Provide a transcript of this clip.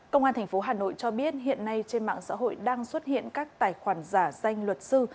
công an tp hà nội cho biết hiện nay trên mạng xã hội đang xuất hiện các tài khoản giả danh luật sư